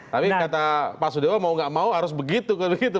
tapi kata pak sudewo mau gak mau harus begitu